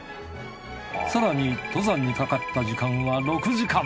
更に登山にかかった時間は６時間。